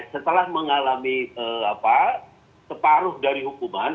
setelah mengalami separuh dari hukuman